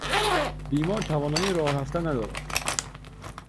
بیمار توانایی راه رفتن ندارد.